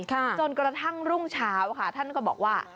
จนกระทั่งรุ่งเช้าค่ะท่านก็บอกว่า